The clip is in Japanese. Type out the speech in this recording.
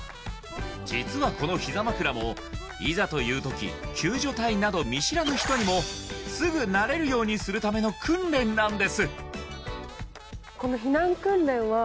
実はこの膝枕もいざという時救助隊など見知らぬ人にもすぐ慣れるようにするための訓練なんです